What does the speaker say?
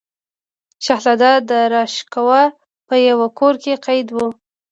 شهزاده داراشکوه په یوه کور کې قید و.